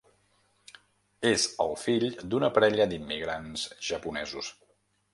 És el fill d'una parella d'immigrants japonesos.